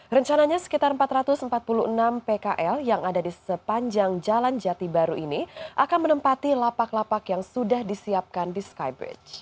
rencananya sekitar empat ratus empat puluh enam pkl yang ada di sepanjang jalan jati baru ini akan menempati lapak lapak yang sudah disiapkan di skybridge